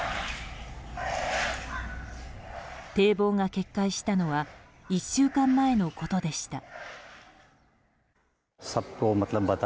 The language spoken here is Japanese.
堤防が決壊したのは１週間前のことでした。